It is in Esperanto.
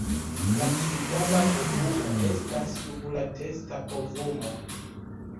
La ĉiutaga povumo estas sub la testa povumo.